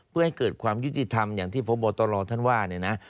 เพื่อให้เกิดความยุติธรรมอย่างที่พบตรท่านว่าเนี่ยนะ